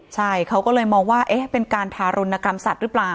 ใช่เขาก็เลยมองว่าเป็นการทารุณกรรมสัตว์หรือเปล่า